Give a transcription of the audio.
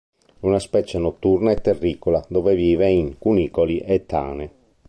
È una specie notturna e terricola, dove vive in cunicoli e tane.